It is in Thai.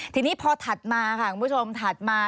ทีนี้พอถัดมาค่ะคุณผู้ชมถัดมา